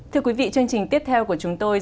thưa quý vị chương trình tiếp theo của chúng tôi